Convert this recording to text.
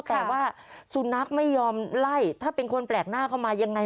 แต่ว่าสุนัขไม่ยอมไล่ถ้าเป็นคนแปลกหน้าเข้ามายังไง